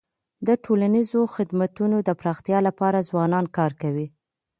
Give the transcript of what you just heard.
د ټولنیزو خدمتونو د پراختیا لپاره ځوانان کار کوي.